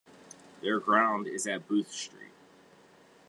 Their ground is at Booth Street.